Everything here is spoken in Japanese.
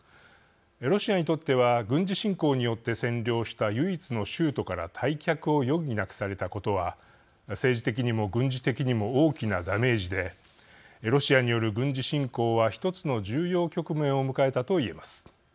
ロシアにとっては軍事侵攻によって占領した唯一の州都から退却を余儀なくされたことは政治的にも軍事的にも大きなダメージでロシアによる軍事侵攻は１つの重要局面を迎えたと言えます。